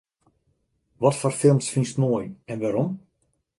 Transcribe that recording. Watfoar films fynst moai en wêrom?